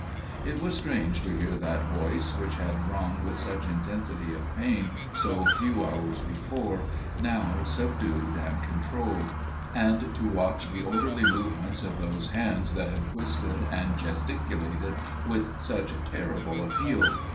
It was strange to hear that voice, which had rung with such intensity of pain so few hours before, now subdued and controlled; and to watch the orderly movements of those hands that had twisted and gesticulated with such terrible appeal.